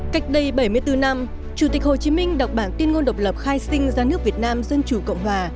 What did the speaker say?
cách đây bảy mươi bốn năm chủ tịch hồ chí minh đọc bản tuyên ngôn độc lập khai sinh ra nước việt nam dân chủ cộng hòa